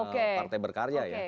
partai berkarya ya